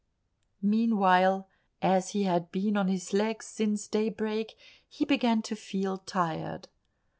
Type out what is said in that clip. Meanwhile, as he had been on his legs since daybreak, he began to feel tired.